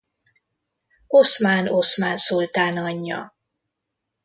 Oszmán oszmán szultán anyja.